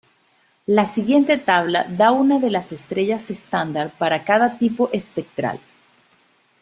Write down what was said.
La siguiente tabla da una de las estrellas estándar para cada tipo espectral.